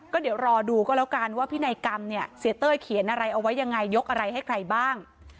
ก็เดี๋ยวรอดูก็แล้วกันว่าพินัยกรรมเนี่ยเสียเต้ยเขียนอะไรเอาไว้ยังไงยกอะไรให้ใครบ้าง